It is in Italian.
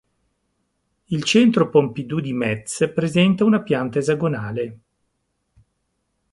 Il Centro Pompidou di Metz presenta una pianta esagonale.